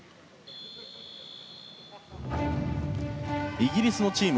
イギリスのチーム